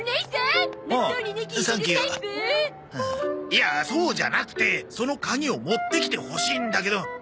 いやそうじゃなくてその鍵を持ってきてほしいんだけど。